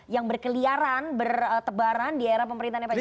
yang berkeliaran bertebaran di era pemerintahnya pak jokowi